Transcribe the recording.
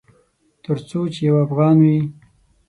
ترڅو چې یو افغان وي